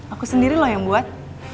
aku sendiri loh yang buat